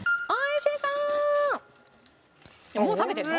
もう食べてるの？